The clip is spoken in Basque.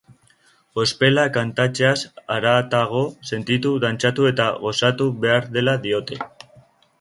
Gospela kantatzeaz haratago, sentitu, dantzatu eta gozatu behar dela diote.